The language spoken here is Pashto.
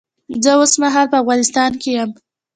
زه اوس مهال په افغانستان کې یم